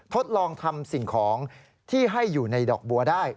ทดลองทำสิ่งของที่ให้อยู่ในดอกบัวได้